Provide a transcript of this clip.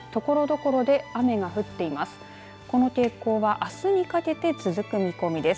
この傾向は、あすにかけて続く見込みです。